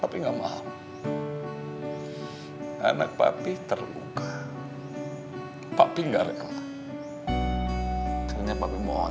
tapi congon sebelum kalo diois diantar minum berubah